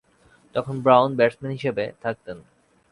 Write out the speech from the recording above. তখন Brown batsman হিসেবে থাকতেন।